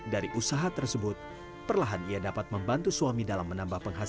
dari usaha tersebut perlahan ia dapat membantu suami dalam menambah penghasilan